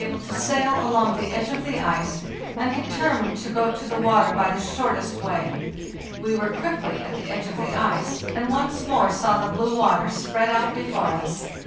THE JOURNEY SOUTHWARD 511 to sail along the edge of the ice, and determined to go to the water by the shortest way. We were quickly at the edge of the ice, and once more saw the blue water spread out before us.